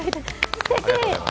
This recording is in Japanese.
すてき。